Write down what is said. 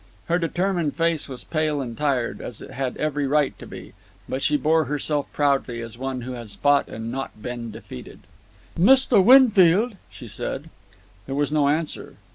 Her determined face was pale and tired, as it had every right to be; but she bore herself proudly, as one who has fought and not been defeated. "Mr. Winfield," she said. There was no answer.